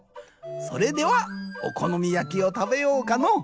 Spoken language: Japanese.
それではおこのみやきをたべようかのう。